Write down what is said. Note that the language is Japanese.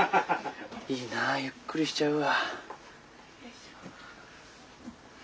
いいなぁゆっくりしちゃうわ。